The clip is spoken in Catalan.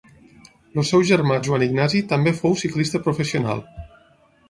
El seu germà Joan Ignasi també fou ciclista professional.